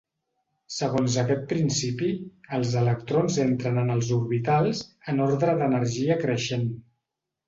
Segons aquest principi, els electrons entren en els orbitals, en ordre d'energia creixent.